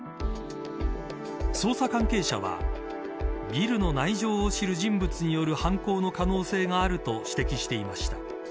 捜査関係者はビルの内情を知る人物による犯行の可能性があると指摘していました。